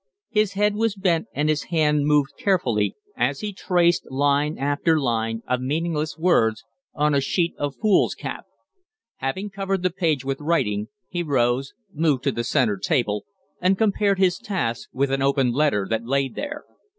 His head was bent and his hand moved carefully as he traced line after line of meaningless words on a sheet of foolscap. Having covered the page with writing, he rose, moved to the centre table, and compared his task with an open letter that lay there.